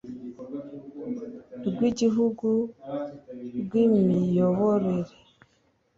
rw igihugu rw imiyoborere